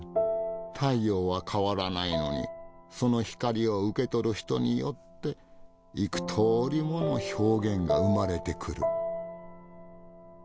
太陽は変わらないのにその光を受け取る人によって幾とおりもの表現が生まれてくる。